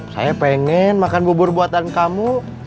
saya pengen makan bubur buatan kamu